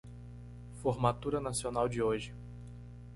Formatura nacional de hoje